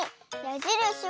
やじるし？